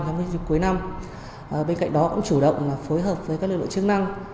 trong dịp cuối năm bên cạnh đó cũng chủ động phối hợp với các lực lượng chức năng